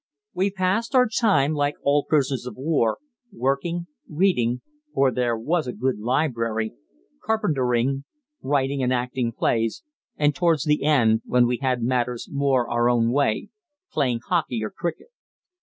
We passed our time, like all prisoners of war, working, reading (for there was a good library), carpentering, writing and acting plays, and towards the end, when we had matters more our own way, playing hockey or cricket.